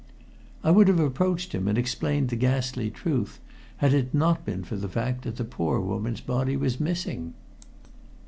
I would have approached him and explained the ghastly truth, had it not been for the fact that the poor woman's body was missing.